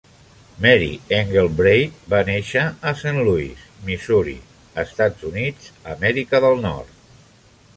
Mary Engelbreit va néixer a Saint Louis, Missouri, Estats Units, Amèrica del Nord.